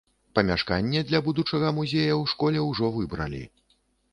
Памяшканне для будучага музея ў школе ўжо выбралі.